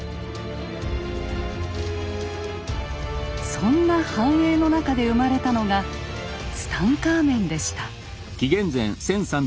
そんな繁栄の中で生まれたのがツタンカーメンでした。